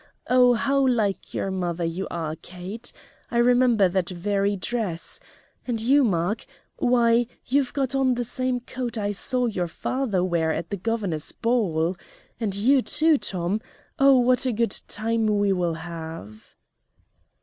Oh, how like your mother you are, Kate! I remember that very dress. And you, Mark! Why, you've got on the same coat I saw your father wear at the Governor's ball. And you, too, Tom. Oh, what a good time we will all have!"